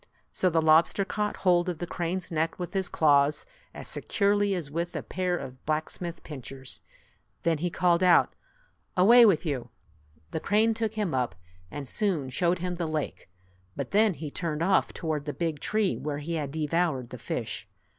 So the lobster caught hold of the crane's neck with his claws as securely as with a pair of black smith's pincers. Then he called out, "Away with you !" The crane took him up, and soon showed him the lake, but then he turned off toward the big tree where he had devoured the fish.